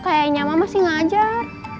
kayaknya mama masih ngajar